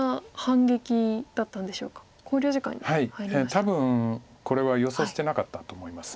多分これは予想してなかったと思います。